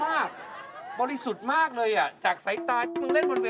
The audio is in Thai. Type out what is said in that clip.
พูดประดิษฐ์มันอาจจะบอกอะไรไม่ได้ครับ